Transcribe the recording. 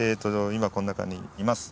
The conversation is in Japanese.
今この中にいます。